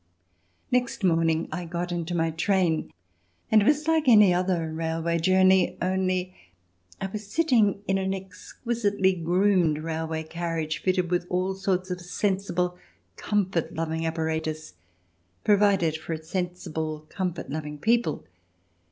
Next morning I got into my train, and it was like any other railway journey, only I was sitting in an exquisitely groomed railway carriage fitted with all sorts of sensible, comfort loving apparatus, pro vided for a sensible, comfort loving people.